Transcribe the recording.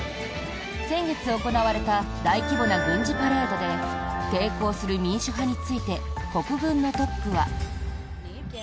先月行われた大規模な軍事パレードで抵抗する民主派について国軍のトップは。